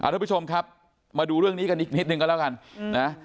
ทุกผู้ชมครับมาดูเรื่องนี้กันอีกนิดนึงก็แล้วกันนะ